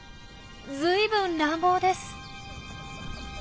ずいぶん乱暴です。